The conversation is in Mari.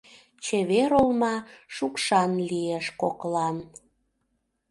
Чевер олма шукшан лиеш коклан —